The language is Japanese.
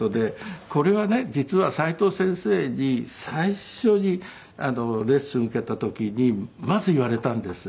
これはね実は齋藤先生に最初にレッスン受けた時にまず言われたんです。